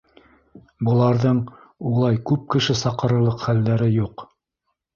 Быларҙың улай күп кеше саҡырырлыҡ хәлдәре юҡ.